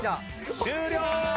終了！